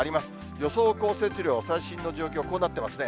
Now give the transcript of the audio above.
予想降雪量、最新の状況、こうなってますね。